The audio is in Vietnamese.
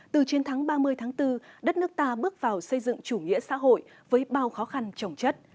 từ trên tháng ba mươi tháng bốn đất nước ta bước vào xây dựng chủ nghĩa xã hội với bao khó khăn trọng chất